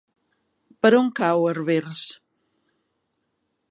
Per on cau Herbers?